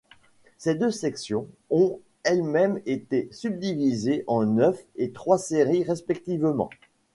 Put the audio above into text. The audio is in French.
Ces deux sections ont elles-mêmes été subdivisées en neuf et trois séries respectivement.